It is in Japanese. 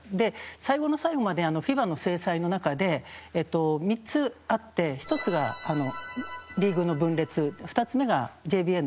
最後の最後までＦＩＢＡの制裁の中で３つあって１つがリーグの分裂２つ目がＪＢＡのガバナンス